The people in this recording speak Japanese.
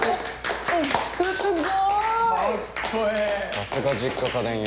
さすが実家家電屋。